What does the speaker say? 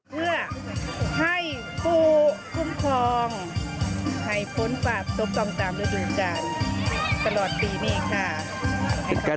เป็นการกระทำทุกปีไหมครับ